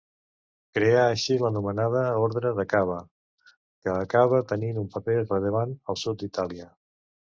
Creà així l'anomenada Orde de Cava, que acabà tenint un paper rellevant al sud d'Itàlia.